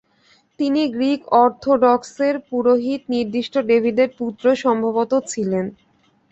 তিনি গ্রীক অর্থোডক্সের পুরোহিত নির্দিষ্ট ডেভিডের পুত্র "সম্ভবত" ছিলেন ।